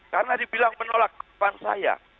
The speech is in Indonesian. karena dibilang menolak kekeluargaan saya